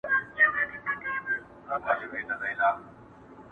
تاج دي کم سلطان دي کم اورنګ دي کم٫